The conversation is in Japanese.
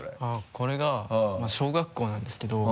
これが小学校なんですけど。